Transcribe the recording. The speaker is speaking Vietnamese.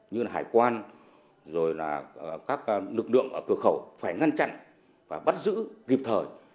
như hải quan rồi là các lực lượng ở cửa khẩu phải ngăn chặn và bắt giữ kịp thời